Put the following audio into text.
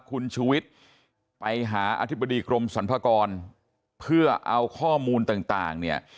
คุณชูวิทย์ไปหาอธิบดีกรมสรรพากรเพื่อเอาข้อมูลต่างเนี่ย